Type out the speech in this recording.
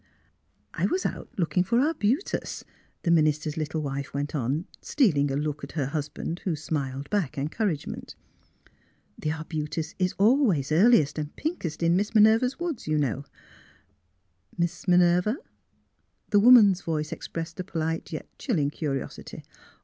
'' I was out looking for arbutus," the minister's little wife went on, stealing a look at her husband, who smiled back encouragement. *' The arbutus 60 THE HEART OF PHILURA is always earliest and pinkest in Miss Minerva's woods, you know." " Miss — Minerva? " The woman's voice expressed a polite, yet chill ing curiosity.